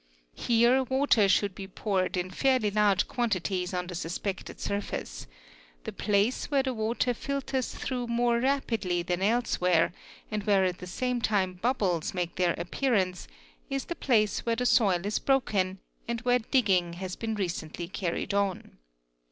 Here water should be poured in fairly large quantities on the suspected surface; the place where the water filters through more rapidly than elsewhere and where at the same — time bubbles make their appearance, is the place where the soil is broken and where digging has been recently carried on.